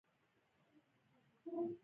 دوی د شمالي الوتنو له واقعیتونو سره بلد نه دي